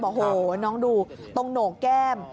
โอ้โหน้องดูตรงโหนกแก้ม